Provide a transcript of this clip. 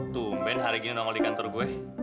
tumben hari gini nongol di kantor gue